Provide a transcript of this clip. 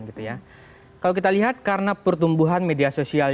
kalau kita lihat karena pertumbuhan media sosial